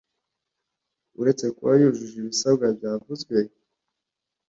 uretse kuba yujuje ibisabwa byavuzwe